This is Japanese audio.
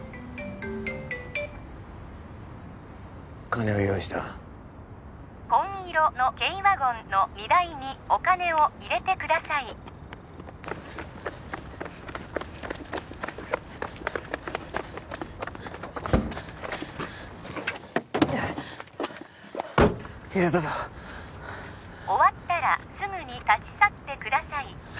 金は用意した紺色の軽ワゴンの荷台にお金を入れてください入れたぞ終わったらすぐに立ち去ってください